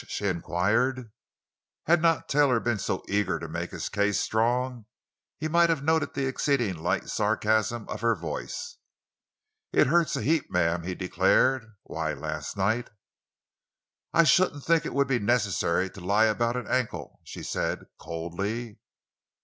she inquired. Had not Taylor been so eager to make his case strong, he might have noted the exceedingly light sarcasm of her voice. "It hurts a heap, ma'am," he declared. "Why, last night——" "I shouldn't think it would be necessary to lie about an ankle," she said, coldly.